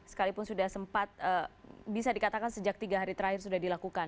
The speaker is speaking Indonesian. sekalipun sudah sempat bisa dikatakan sejak tiga hari terakhir sudah dilakukan